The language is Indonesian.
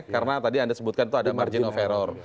karena tadi anda sebutkan itu ada margin of error